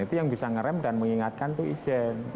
itu yang bisa ngerem dan mengingatkan itu ijen